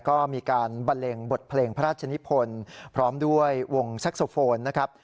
ก็มีการบันเลงบทเพลงพระราชนิพลพร้อมด้วยวงแซ็กโซโฟนนะครับ